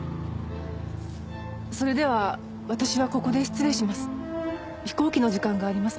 それでは私はここで失礼します。